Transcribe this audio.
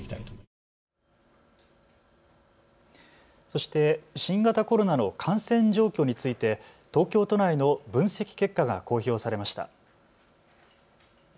そして新型コロナの感染状況について東京都内の分析結果が公表されました。